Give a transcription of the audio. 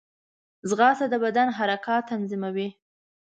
ځغاسته د بدن حرکات تنظیموي